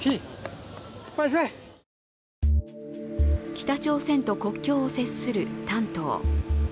北朝鮮と国境を接する丹東。